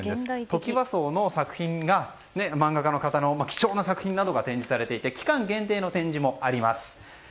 トキワ荘の漫画家の貴重な作品などが展示されていて期間限定の展示もあります。